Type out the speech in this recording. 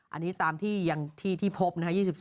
อันนี้ตามที่พบ